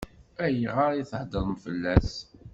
Ayɣer i theddṛemt fell-as?